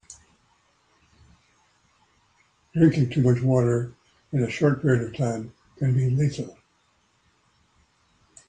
Drinking too much water in a short period of time can be lethal.